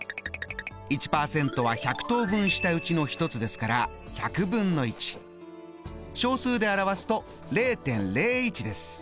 １％は１００等分したうちの１つですから小数で表すと０．０１です。